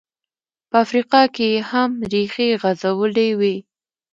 په افریقا کې یې هم ریښې غځولې وې.